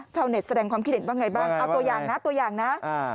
เท่าไหนแสดงความคิดเห็นบ้างไงบ้างเอาตัวอย่างนะ